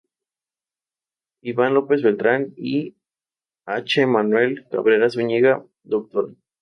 Iván López Beltran y H. Emanuel Cabrera Zuñiga, Dra.